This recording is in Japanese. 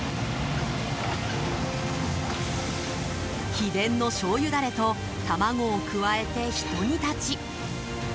秘伝のしょうゆダレと卵を加えて、ひと煮立ち。